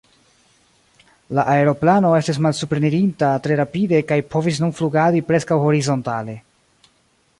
La aeroplano estis malsuprenirinta tre rapide kaj povis nun flugadi preskaŭ horizontale.